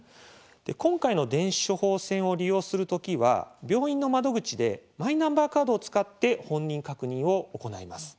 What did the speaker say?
今回の電子処方箋を利用する時は病院の窓口でマイナンバーカードを使って本人確認を行います。